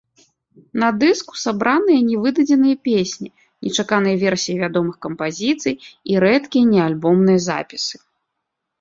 На дыску сабраныя нявыдадзеныя песні, нечаканыя версіі вядомых кампазіцый і рэдкія неальбомныя запісы.